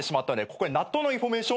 ここで納豆のインフォメーションを１つ。